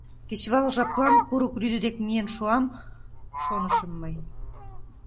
Кечывал жаплан курык рӱдӧ дек миен шуам, шонышым мый.